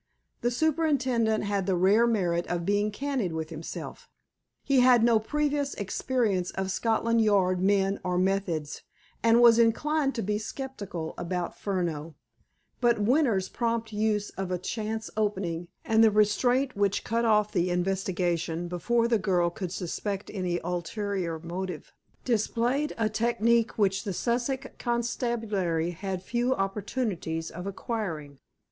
The superintendent had the rare merit of being candid with himself. He had no previous experience of Scotland Yard men or methods, and was inclined to be skeptical about Furneaux. But Winter's prompt use of a chance opening, and the restraint which cut off the investigation before the girl could suspect any ulterior motive, displayed a technique which the Sussex Constabulary had few opportunities of acquiring.